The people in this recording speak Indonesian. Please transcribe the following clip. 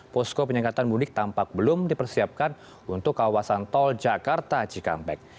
posko penyekatan mudik tampak belum dipersiapkan untuk kawasan tol jakarta cikampek